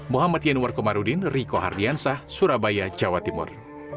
mohamad yanwar komarudin riko hardiansah surabaya jawa timur